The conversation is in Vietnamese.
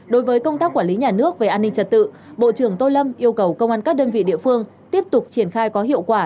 đối với công tác quản lý nhà nước về an ninh trật tự bộ trưởng tô lâm yêu cầu công an các đơn vị địa phương tiếp tục triển khai có hiệu quả